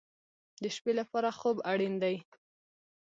د شپې لپاره خوب اړین دی